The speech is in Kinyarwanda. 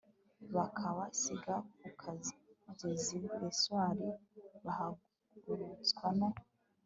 bakabasiga ku kagezi besori bahagurutswa no